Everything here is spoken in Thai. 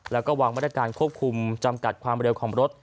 และวางบริการควบคุมจำกัดความเวลาของรถ